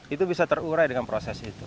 itu bisa terurai dengan proses itu